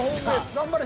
頑張れ。